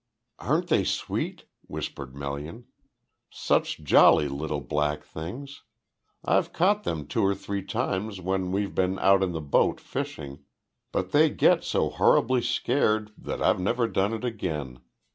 "Aren't they sweet?" whispered Melian. "Such jolly little black things! I've caught them two or three times when we've been out in the boat fishing, but they get so horribly scared that I've never done it again.